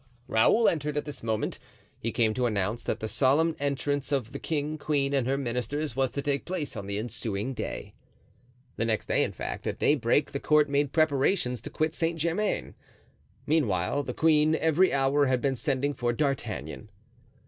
Raoul entered at this moment; he came to announce that the solemn entrance of the king, queen, and her ministers was to take place on the ensuing day. The next day, in fact, at daybreak, the court made preparations to quit Saint Germain. Meanwhile, the queen every hour had been sending for D'Artagnan.